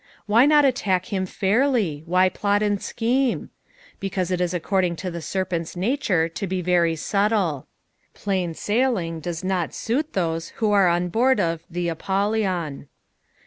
Why not attack him fairly t Why plot and xcheme f Because it ia according to the serpent's nature to be very subtle. Plain sailing docs Dot suit those who are on board of " The Apollyon."